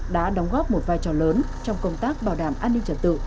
đã đóng góp một vai trò lớn trong công tác bảo đảm an ninh trật tự